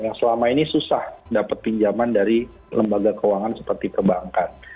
yang selama ini susah dapat pinjaman dari lembaga keuangan seperti perbankan